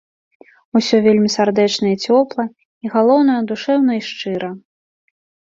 Усё вельмі сардэчна і цёпла і, галоўнае, душэўна і шчыра.